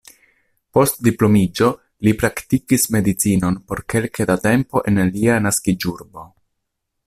Post diplomiĝo li praktikis medicinon por kelke da tempo en lia naskiĝurbo.